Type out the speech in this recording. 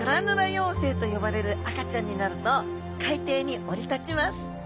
幼生と呼ばれる赤ちゃんになると海底に降り立ちます。